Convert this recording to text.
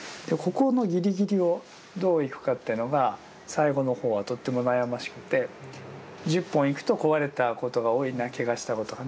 ここのギリギリをどういくかというのが最後の方はとっても悩ましくて１０本いくと壊れたことが多いなけがをしたことが。